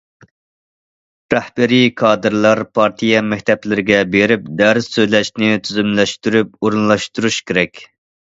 رەھبىرىي كادىرلار پارتىيە مەكتەپلىرىگە بېرىپ دەرس سۆزلەشنى تۈزۈملەشتۈرۈپ ئورۇنلاشتۇرۇش كېرەك.